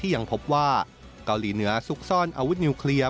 ยังพบว่าเกาหลีเหนือซุกซ่อนอาวุธนิวเคลียร์